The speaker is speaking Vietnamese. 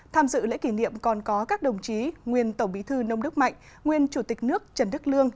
tham dự lễ kỷ niệm còn có các đồng chí nguyên tổng bí thư nông đức mạnh nguyên chủ tịch nước trần đức lương